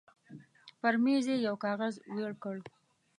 پر مېز يې يو کاغذ وېړ کړ.